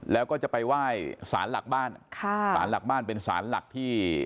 แล้วก็จะไปไหว้สารหลักบ้านค่ะสารหลักบ้านเป็นสารหลักที่